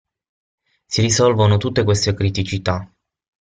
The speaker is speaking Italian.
Si risolvono tutte queste criticità.